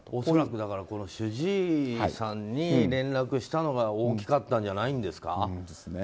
恐らくこの主治医さんに連絡したのが大きかったんじゃないですか。